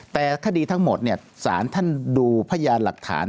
แต่คดีทั้งหมดสารท่านดูพยานหลักฐาน